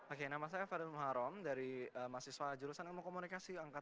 oke nama saya fadl mouharom dari mahasiswa jurusan ilmu komunikasi angkatan dua ribu dua puluh dua